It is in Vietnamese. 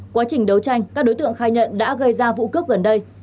quá trình đấu tranh các đối tượng khai nhận đã gây ra vụ cướp gần đây